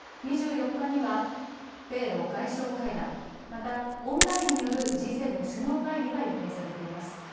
２４日には米ロ外相会談、またオンラインによるＧ７首脳会議が予定されています。